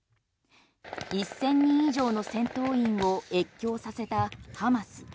１０００人以上の戦闘員を越境させたハマス。